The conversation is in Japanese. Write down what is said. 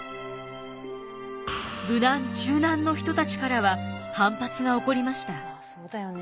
無難中難の人たちからは反発が起こりました。